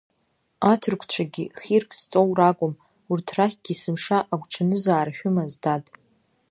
Аҭырқәцәагьы хирк зҵоу ракәым, урҭ рахьгьы есымша агәҽанызаара шәымаз, дад.